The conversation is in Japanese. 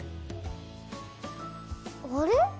あれ？